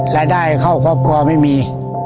รายได้เข้าครอบครัวไม่มี